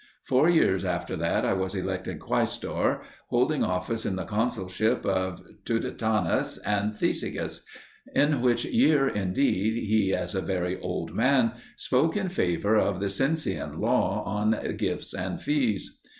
Four years after that I was elected Quaestor, holding office in the consulship of Tuditanus and Cethegus, in which year, indeed, he as a very old man spoke in favour of the Cincian law "on gifts and fees."